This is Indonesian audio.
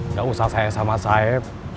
nggak usah saya sama saya